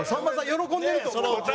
喜んでると思うわ。